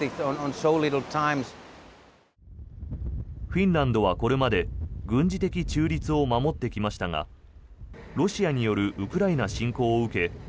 フィンランドはこれまで軍事的中立を守ってきましたがロシアによるウクライナ侵攻を受け